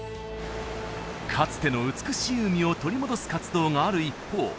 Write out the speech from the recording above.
かつての美しい海を取り戻す活動がある一方